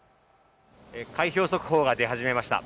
開票速報が出始めました。